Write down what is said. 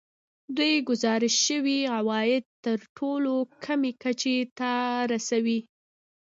دوی ګزارش شوي عواید تر ټولو کمې کچې ته رسولي